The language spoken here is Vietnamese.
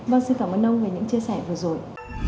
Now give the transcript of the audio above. bác sĩ tổng ấn ông về những chia sẻ vừa rồi